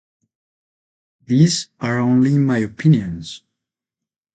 These are only my opinions